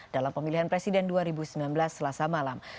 dalam pemilihan presiden dua ribu sembilan belas selasa malam